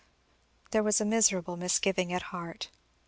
There was a miserable misgiving at heart.